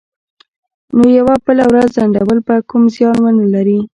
نو یوه بله ورځ ځنډول به کوم زیان ونه لري